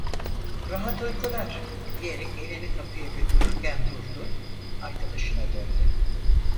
"Rahat uykular…" diyerek elini kapıya götürürken durdu, arkadaşına döndü: